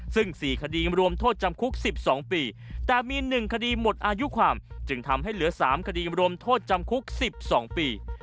ซึ่ง๔คดีรวมโทษจำคุก๑๒ปีแต่มี๑คดีหมดอายุความจึงทำให้เหลือ๓คดีรวมโทษจำคุก๑๒ปี